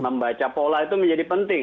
membaca pola itu menjadi penting